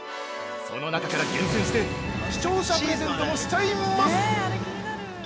その中から厳選して視聴者プレゼントもしちゃいます！